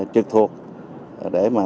trực thuộc để mà